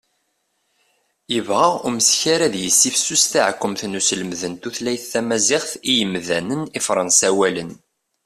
yebɣa umeskar ad yessifsus taɛekkumt n uselmed n tutlayt tamaziɣt i yimdanen ifransawalen